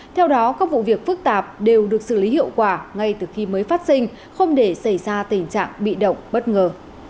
theo đó các vụ việc phức tạp đều được xử lý hiệu quả ngay từ khi mới phát sinh không để xảy ra tình trạng bị động bất ngờ